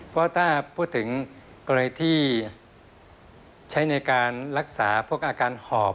เพราะถ้าพูดถึงกรณีที่ใช้ในการรักษาพวกอาการหอบ